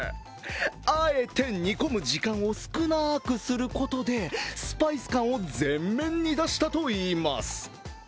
あえて煮込む時間を少なくすることでスパイス感を前面に出したといいます。